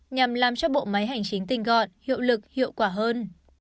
nhằm làm cho bộ máy hành chính tình gọn hiệu lực hiệu quả hơn